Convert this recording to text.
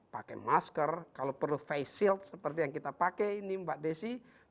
pakai masker kalau perlu face shield seperti yang kita pakai ini mbak desi